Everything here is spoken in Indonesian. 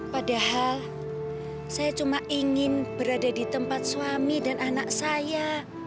padahal saya cuma ingin berada di tempat suami dan anak saya